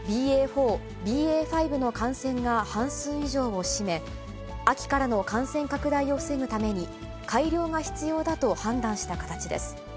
ＢＡ．４、ＢＡ．５の感染が半数以上を占め、秋からの感染拡大を防ぐために、改良が必要だと判断した形です。